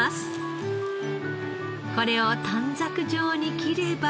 これを短冊状に切れば。